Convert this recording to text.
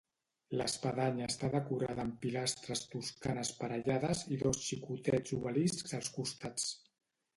L'Espadanya està decorada amb pilastres toscanes parellades i dos xicotets obeliscs als costats.